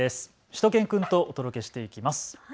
しゅと犬くんとお届けしていきます。